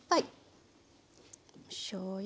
しょうゆ。